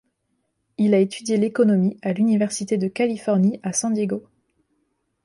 Il a étudié l'économie à l'Université de Californie à San Diego.